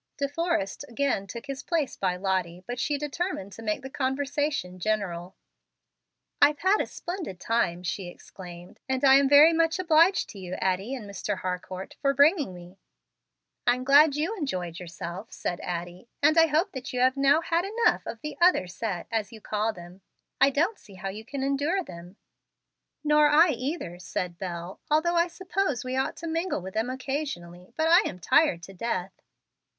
De Forrest again took his place by Lottie, but she determined to make the conversation general. "I've had a splendid time," she exclaimed, "and am very much obliged to you, Addie and Mr. Harcourt, for bringing me." "I'm glad you enjoyed yourself," said Addie, "and hope that you have now had enough of the 'other set,' as you call them. I don't see how you can endure them." "Nor I either," said Bel, "although I suppose we ought to mingle with them occasionally. But I am tired to death."